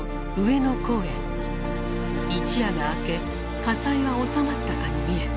一夜が明け火災は収まったかに見えた。